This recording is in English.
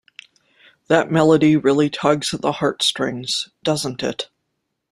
That melody really tugs at the heartstrings, doesn't it?